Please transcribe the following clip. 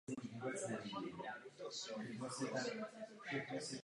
Rozkládá se asi třináct kilometrů východně od Mladé Boleslavi.